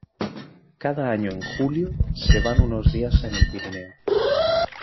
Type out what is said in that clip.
Cada año, en julio, se van unos días en el Pirineo.